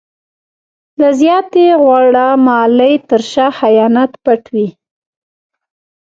د زیاتې غوړه مالۍ تر شا خیانت پټ وي.